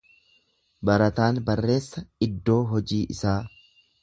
Barataan barreessa iddoo hojii isaa.